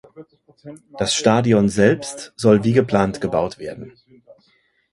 Das Stadion selbst soll wie geplant gebaut werden.